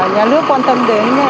nhà nước quan tâm đến